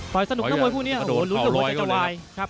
ปล่อยสนุกนะมวยคู่นี้โหลุงสนุกจังจวาย